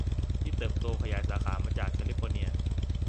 ที่เติบโตขยายสาขามาจากแคลิฟอร์เนีย